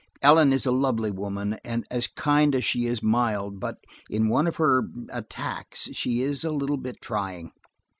"Ellen is a lovely woman, and as kind as she is mild; but in one of her–attacks, she is a little bit trying."